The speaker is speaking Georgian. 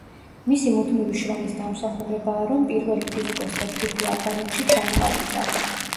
მისი მუდმივი შრომის დამსახურებაა, რომ პირველი ფიზიკოსთა ჯგუფი ალბანეთში ჩამოყალიბდა.